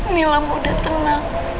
nila muda tenang